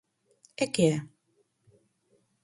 E que é?